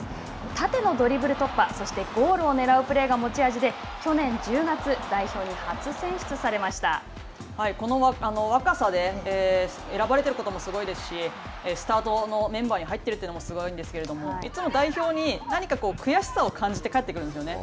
縦のドリブル突破、そしてゴールをねらうプレーが持ち味で、去年１０月、代表に初選この若さで選ばれていることもすごいですし、スタートのメンバーに入ってるというのもすごいんですけれども、代表に、何か悔しさを感じて帰ってくるんですよね。